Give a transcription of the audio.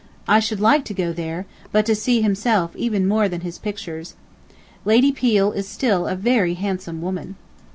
I should like to go there, but to see himself even more than his pictures. Lady Peel is still a very handsome woman.